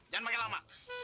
jangan pakai lama